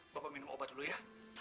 bapak minum obat dulu ya